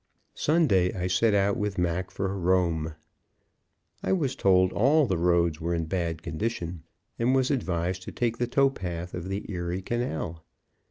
Sunday I set out with Mac for Rome. I was told all the roads were in bad condition, and was advised to take the tow path of the Erie Canal.